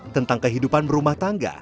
tentang kehidupan berumah tangga